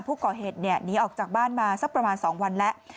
ผู้ก่อเหตุหนีออกจากบ้านมาสักประมาณ๒วันแล้ว